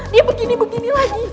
dia begini begini lagi